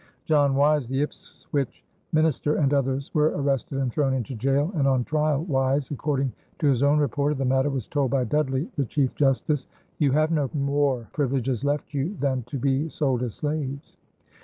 John Wise, the Ipswich minister, and others were arrested and thrown into jail, and on trial Wise, according to his own report of the matter, was told by Dudley, the chief justice, "You have no more privileges left you than to be sold as slaves."